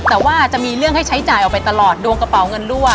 แต่ว่าจะมีเรื่องให้ใช้จ่ายออกไปตลอดดวงกระเป๋าเงินรั่ว